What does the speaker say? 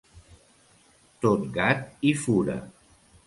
Tot gat i fura.